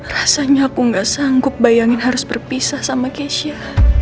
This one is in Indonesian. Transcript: rasanya aku gak sanggup bayangin harus berpisah sama keisha